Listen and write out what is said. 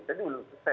jadi belum ses